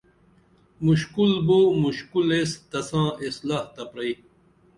مُشکُل بو مُشکُل ایس تساں اصلاح تہ پرئی